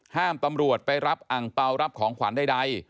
ตำรวจไปรับอังเปล่ารับของขวัญใด